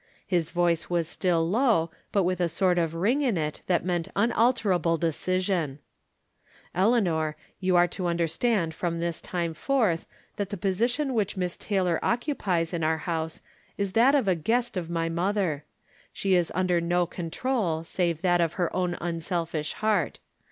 His voice was still low, but with a sort of ring in it that meant unalterable decision : "Eleanor, you are to understand from this time forth that the position which Miss Taylor occupies in our house is that of a guest of my mother. She is under no control save that of her own unselfish heart.